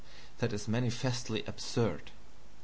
That is manifestly absurd.